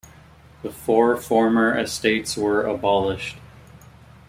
The four former estates were abolished.